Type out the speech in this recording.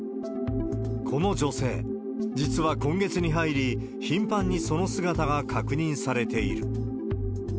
この女性、実は今月に入り、頻繁にその姿が確認されている。